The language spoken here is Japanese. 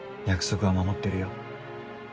約束は守ってるよ。